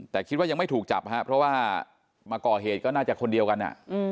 แต่คิดว่ายังไม่ถูกจับครับเพราะว่ามาก่อเหตุก็น่าจะคนเดียวกัน